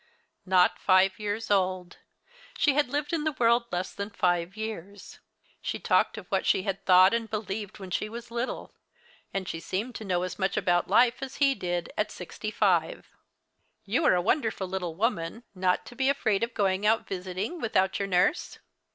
Not five years old. She had lived in the world less than five years. She talked of what she had thought and believed when she was little, and she seemed to know as much about life as he did at sixty five. "You are a wonderful little woman, not to be afraid of going out visiting without your nurse."